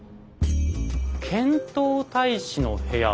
「遣唐大使の部屋」。